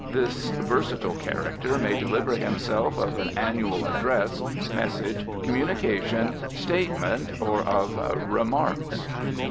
This versatile character may deliver himself of an Annual Address, Message, Communication, Statement, or of "Remarks."